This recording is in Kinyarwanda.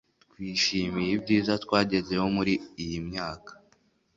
twishimiye ibyiza twagezeho muri iyi myaka